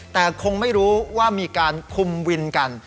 แต่คงไม่รู้ว่ามีการคุมวินกัน